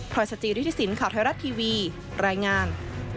รอยสจิริฐศิลปข่าวไทยรัฐทีวีรายงาน